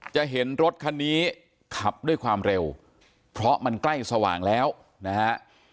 จะเห็นรถคันนี้ขับด้วยความเร็วเพราะมันใกล้สว่างแล้วนะฮะ